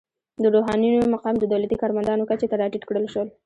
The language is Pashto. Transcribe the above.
د روحانینو مقام د دولتي کارمندانو کچې ته راټیټ کړل شو.